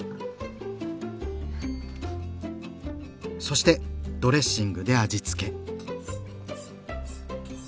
そしてドレッシングで味付け。